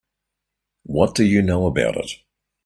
What do you know about it?